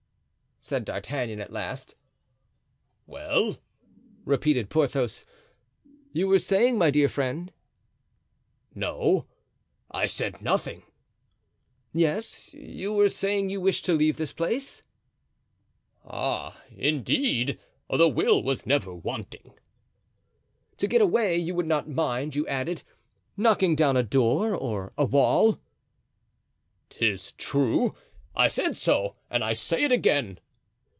said D'Artagnan, at last. "Well!" repeated Porthos. "You were saying, my dear friend——" "No; I said nothing." "Yes; you were saying you wished to leave this place." "Ah, indeed! the will was never wanting." "To get away you would not mind, you added, knocking down a door or a wall." "'Tis true—I said so, and I say it again."